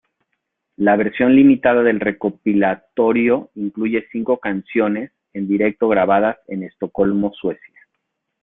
La versión limitada del recopilatorio incluye cinco canciones en directo grabadas en Estocolmo, Suecia.